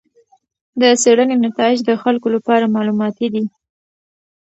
د څېړنې نتایج د خلکو لپاره معلوماتي دي.